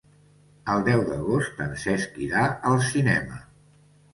El deu d'agost en Cesc irà al cinema.